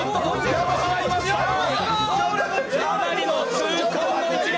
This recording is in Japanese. かなりの痛恨の一撃。